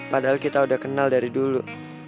padahal kita udah kenal dari dulu